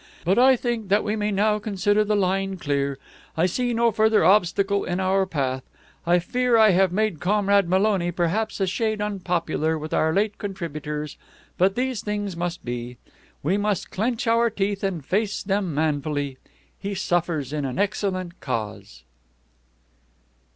"But I think that we may now consider the line clear. I see no further obstacle in our path. I fear I have made Comrade Maloney perhaps a shade unpopular with our late contributors, but these things must be. We must clench our teeth and face them manfully. He suffers in an excellent cause."